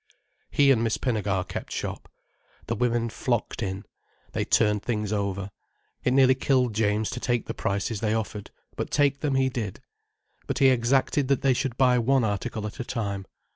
He and Miss Pinnegar kept shop. The women flocked in. They turned things over. It nearly killed James to take the prices they offered. But take them he did. But he exacted that they should buy one article at a time.